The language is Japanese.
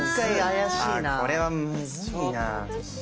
あこれはむずいな。